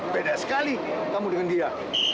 beda sekali kamu dengan dia